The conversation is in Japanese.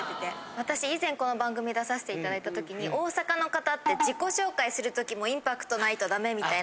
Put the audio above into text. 私以前この番組に出させて頂いた時に大阪の方って自己紹介する時もインパクトないとダメみたいな。